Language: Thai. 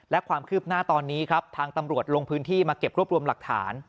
และความคืบหน้าตอนนี้ครับทางตำรวจลงพื้นที่มาเก็บรวบรวมหลักฐาน